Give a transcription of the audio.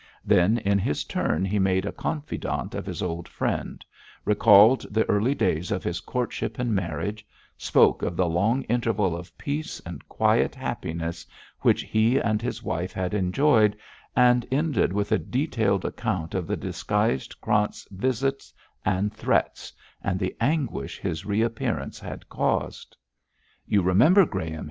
Then in his turn he made a confidant of his old friend, recalled the early days of his courtship and marriage, spoke of the long interval of peace and quiet happiness which he and his wife had enjoyed, and ended with a detailed account of the disguised Krant's visit and threats, and the anguish his re appearance had caused. 'You remember, Graham!'